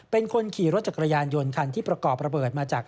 เป็นคนขี่รถจักรยานยนต์คันที่ประกอบระเบิดมาจาก